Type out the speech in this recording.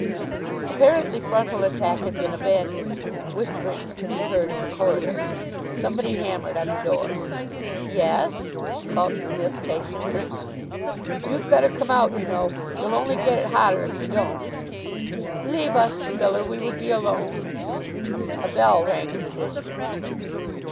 Apparently frontal attack had been abandoned. Whisperings could be heard in the corridor. Somebody hammered on the door. "Yes?" called Psmith patiently. "You'd better come out, you know; you'll only get it hotter if you don't." "Leave us, Spiller; we would be alone." A bell rang in the distance.